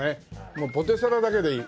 もうポテサラだけでいい。